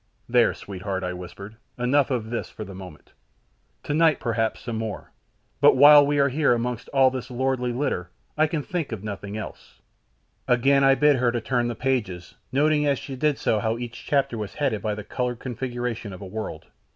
"There, sweetheart," I whispered, "enough of this for the moment; tonight, perhaps, some more, but while we are here amongst all this lordly litter, I can think of nothing else." Again I bid her turn the pages, noting as she did so how each chapter was headed by the coloured configuration of a world.